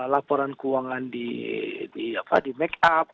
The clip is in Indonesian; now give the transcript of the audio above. laporan keuangan di make up